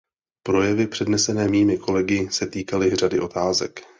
Projevy přednesené mými kolegy se týkaly řady otázek.